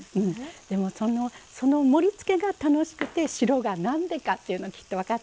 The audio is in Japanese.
でもその盛りつけが楽しくて白が何でかっていうのきっと分かってきます。